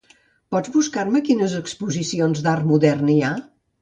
Pots buscar-me quines exposicions d'art modern hi ha.